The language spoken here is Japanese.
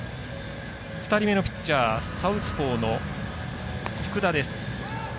２人目のピッチャーサウスポーの福田です。